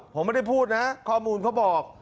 ผมไม่ได้พูดนะข้อมูลเขาบอก